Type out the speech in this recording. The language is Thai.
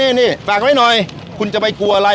เนี่ยเนี่ยนี่ฝากไว้หน่อยคุณจะไปกลัวอะไร